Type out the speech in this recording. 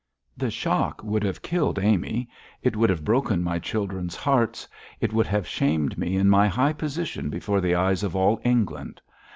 The shock would have killed Amy; it would have broken my children's hearts; it would have shamed me in my high position before the eyes of all England.